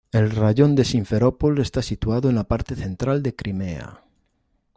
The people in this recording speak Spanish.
El Raión de Simferópol está situado en la parte central de Crimea.